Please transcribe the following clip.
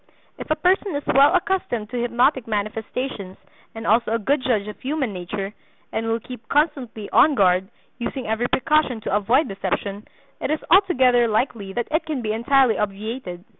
If a person is well accustomed to hypnotic manifestations, and also a good judge of human nature, and will keep constantly on guard, using every precaution to avoid deception, it is altogether likely that it can be entirely obviated.